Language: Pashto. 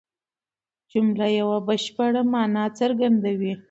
جمله یوه بشپړه مانا څرګندوي.